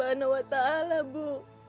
terima kasih bu